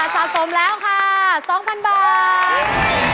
ซะสมแล้วค่ะสองพันบาท